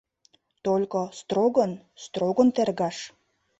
Только строгын, строгын тергаш!